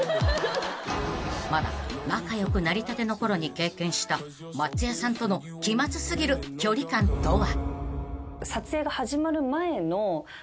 ［まだ仲良くなりたてのころに経験した松也さんとの気まず過ぎる距離感とは？］